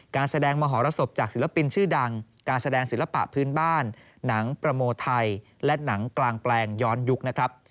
การแสดงมหรสบจากศิลปินชื่อดังการแสดงศิลปะพื้นบ้านหนังประโมไทยและหนังกลางแปลงย้อนยุคนะครับ